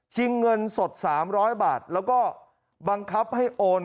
เงินสด๓๐๐บาทแล้วก็บังคับให้โอน